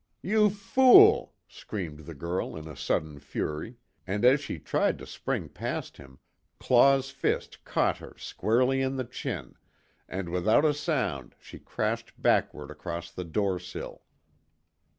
"You fool!" screamed the girl, in a sudden fury, and as she tried to spring past him, Claw's fist caught her squarely in the chin and without a sound she crashed backward across the door sill.